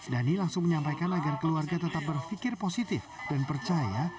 dhani langsung menyampaikan agar keluarga tetap berpikir positif dan percaya